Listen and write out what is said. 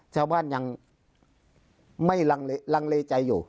ชาวบ้านยังไม่ลังเลใจอยู่